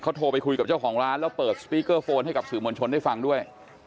โทรไปคุยกับเจ้าของร้านแล้วเปิดสปีกเกอร์โฟนให้กับสื่อมวลชนได้ฟังด้วย